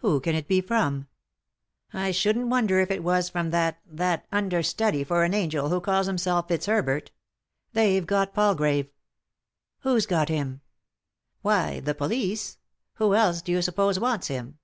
Who can it be from ?" "I shouldn't wonder if it was from that— th*t understudy for an angel who calls himself Fits herbert They've got Palgrave." " Who's got him ?" "Why, the police; who else do you suppose wants him